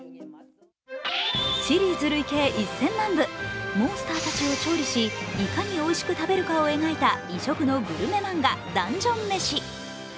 シリーズ累計１０００万部、モンスターたちを調理し、いかにおいしく食べるかを描いた異色のグルメ漫画「ダンジョン飯」。